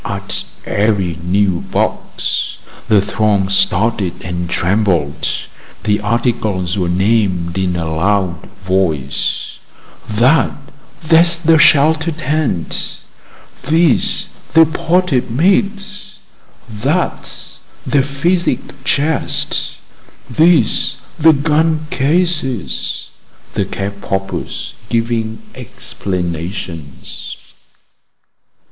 At every new box the throng started and trembled. The articles were named in a loud voice: "That there's the shelter tent; these the potted meats; that's the physic chest; these the gun cases," the cap poppers giving explanations.